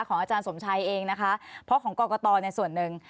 อาจารย์สมชัยเองนะคะเพราะของกรกตในส่วนหนึ่ง